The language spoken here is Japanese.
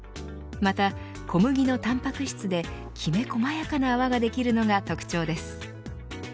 また、小麦のタンパク質できめ細やかな泡ができるのが特徴です